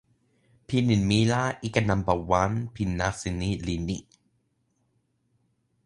pilin mi la ike nanpa wan pi nasin ni li ni: